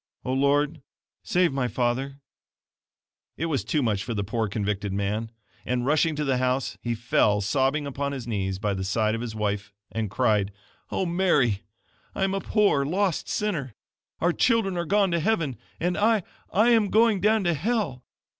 "O Lord, save my father!" It was too much for the poor convicted man, and, rushing to the house he fell, sobbing upon his knees by the side of his wife and cried: "O Mary, I am a poor, lost sinner! Our children are going to heaven, and I I AM GOING DOWN TO HELL!